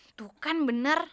itu kan bener